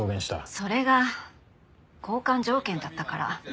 それが交換条件だったから。